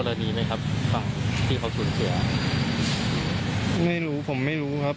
คือเราเข้าใจความตัดว่ามันไงครับ